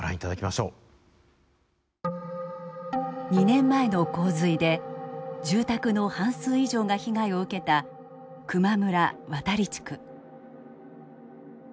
２年前の洪水で住宅の半数以上が被害を受けた球磨村渡地区。